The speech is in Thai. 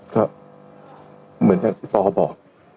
ก็เหมือนอย่างที่ปอเขาบอก